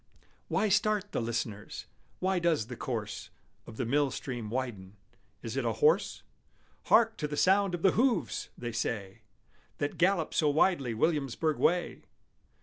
Why start the listeners? Why does the course Of the mill stream widen? Is it a horse "Hark to the sound of the hoofs!" they say That gallops so wildly Williamsburg way?